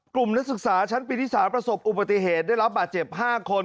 นักศึกษาชั้นปีที่๓ประสบอุบัติเหตุได้รับบาดเจ็บ๕คน